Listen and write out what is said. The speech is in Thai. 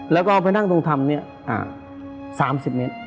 แล้วก็ไปนั่งตรงธรรม๓๐เมตร